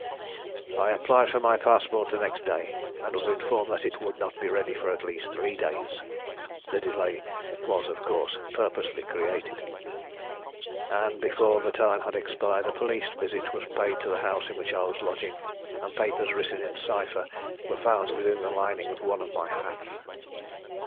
"I applied for my passport the next day, and was informed that it would not be ready for at least three days. The delay was, of course, purposely created, and before the time had expired a police visit was paid to the house in which I was lodging, and papers written in cypher were found within the lining of one of my hats.